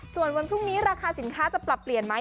ส่วนวันพรุ่งนี้ราคาสินค้าจะปรับเปลี่ยนไหม